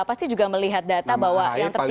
pasti juga melihat data bahwa yang terpilih